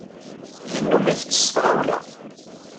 Yennum ittett s tɣawla.